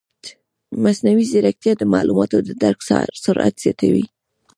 مصنوعي ځیرکتیا د معلوماتو د درک سرعت زیاتوي.